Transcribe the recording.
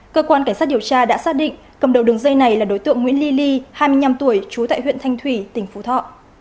cơ quan cảnh sát điều tra đã xác định cầm đầu đường dây này là đối tượng nguyễn ly ly hai mươi năm tuổi trú tại huyện thanh thủy tỉnh phú thọ